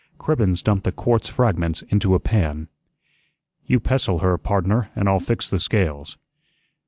Cribbens dumped the quartz fragments into a pan. "You pestle her, pardner, an' I'll fix the scales."